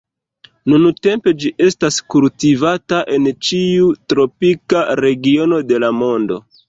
Nuntempe ĝi estas kultivata en ĉiu tropika regiono de la mondo.